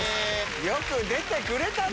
よく出てくれたな。